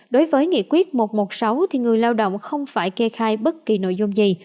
đối với nghị quyết một trăm một mươi sáu thì người lao động không phải kê khai bất kỳ nội dung gì